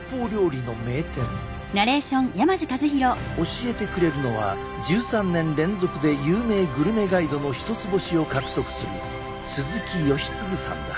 教えてくれるのは１３年連続で有名グルメガイドの一つ星を獲得する鈴木好次さんだ。